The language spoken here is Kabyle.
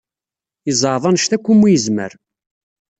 Yezɛeḍ anect akk umi yezmer.